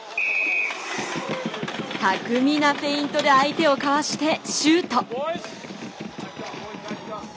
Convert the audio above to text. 巧みなフェイントで相手をかわしてシュート。